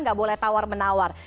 tidak boleh tawar menawar